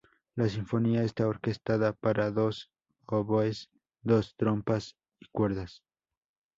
La sinfonía está orquestada para dos oboes, dos trompas y cuerdas.